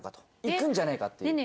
いくんじゃないかっていう。